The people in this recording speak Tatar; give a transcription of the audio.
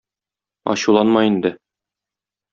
Ачуланма инде.